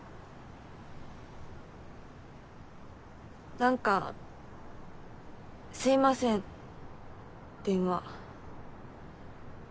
なんかすいません電話。